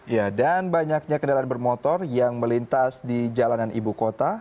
ya dan banyaknya kendaraan bermotor yang melintas di jalanan ibu kota